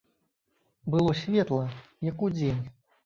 Было светла, як удзень.